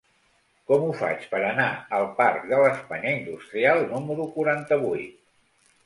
Com ho faig per anar al parc de l'Espanya Industrial número quaranta-vuit?